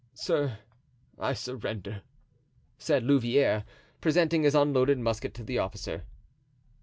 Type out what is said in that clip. "Sir, I surrender," said Louvieres, presenting his unloaded musket to the officer.